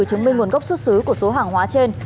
chứng minh nguồn gốc xuất xứ của số hàng hóa trên